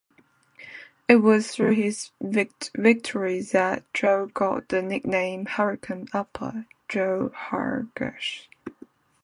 It was through his victories that Joe got the nickname "Hurricane Upper" Joe Higashi.